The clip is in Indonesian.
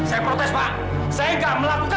sekarang penjaga nama saya